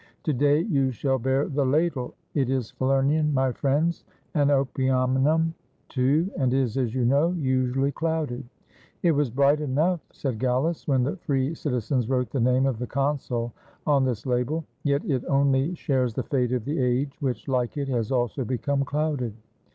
"To day you shall bear the ladle. It is Falemian, my friends, and Opimianum, too; and is, as you know, usually clouded," ''It was bright enough," said Gallus, "when the free citizens wrote the name of the consul on this label. Yet it only shares the fate of the age, which, like it, has also become clouded."